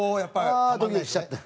ああドキドキしちゃった。